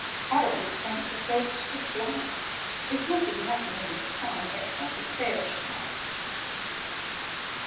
I always fancied Ghosts could fly— If not exactly in the sky, Yet at a fairish height."